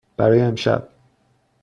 برای امشب.